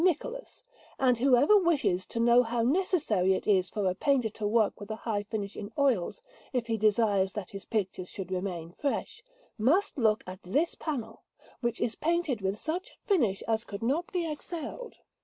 Nicholas; and whoever wishes to know how necessary it is for a painter to work with a high finish in oils if he desires that his pictures should remain fresh, must look at this panel, which is painted with such a finish as could not be excelled.